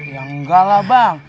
ya enggak lah bang